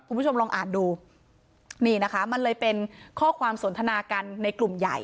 คุณผู้ชมลองอ่านดูนี่นะคะมันเลยเป็นข้อความสนทนากันในกลุ่มใหญ่